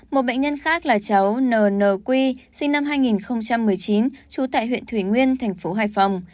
một bệnh nhân khác là cháu n n qui sinh năm hai nghìn một mươi chín trú tại huyện thủy nguyên thành phố hài phòng